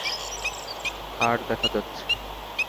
হাড় দেখা যাচ্ছে।